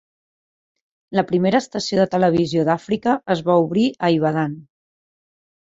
La primera estació de televisió d'Àfrica es va obrir a Ibadan.